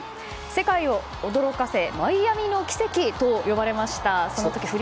世界を驚かせマイアミの奇跡と呼ばれました。